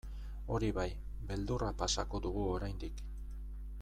Hori bai, beldurra pasako dugu oraindik.